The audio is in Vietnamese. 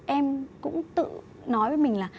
em cũng tự nói với mình là